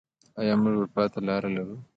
آیا موږ اروپا ته لاره لرو؟